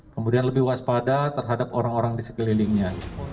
kemudian lebih waspada terhadap orang orang di sekelilingnya